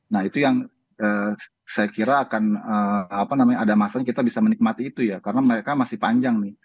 nah itu yang saya kira akan apa namanya ada masalah kita bisa menikmati itu ya karena mereka masih panjang nih